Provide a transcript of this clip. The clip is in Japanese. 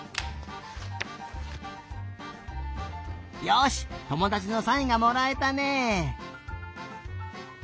よしともだちのサインがもらえたね。